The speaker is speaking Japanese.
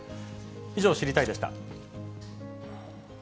以上、知りたいッ！でした。